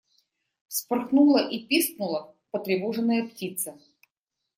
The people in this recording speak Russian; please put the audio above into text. Вспорхнула и пискнула потревоженная птица.